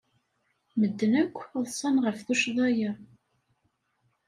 Medden akk ḍsan ɣef tuccḍa-a.